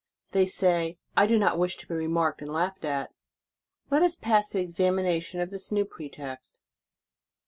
They say: "I do not wish to b? remarked and laughed at." Let us pass to the examination of this new pretext.